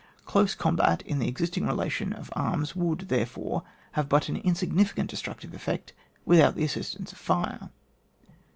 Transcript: Close combat in the existing re lation of arms would, therefore, have but an insignificant destructive effect without the assistance of fire.